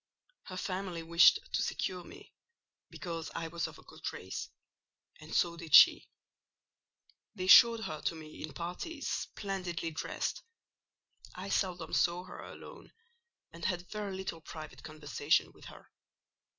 Her family wished to secure me because I was of a good race; and so did she. They showed her to me in parties, splendidly dressed. I seldom saw her alone, and had very little private conversation with her.